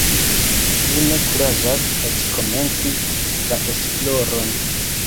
Mi ne kuraĝas eĉ komenci la esploron!